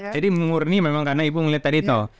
jadi mengurni memang karena ibu melihat tadi itu